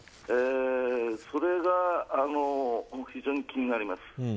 それが、非常に気になります。